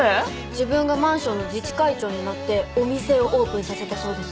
自分がマンションの自治会長になってお店をオープンさせたそうです。